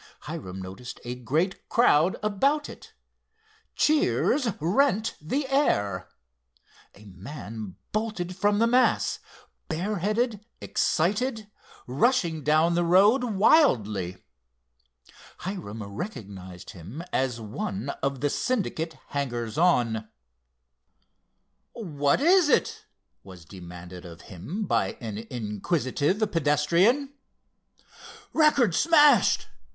Hiram noticed a great crowd about it. Cheers rent the air. A man bolted from the mass, bareheaded, excited, rushing down the road wildly. Hiram recognized him as one of the Syndicate hangers on. "What is it?" was demanded of him by an inquisitive pedestrian. "Record smashed!"